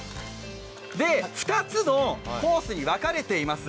で、２つのコースに分かれています。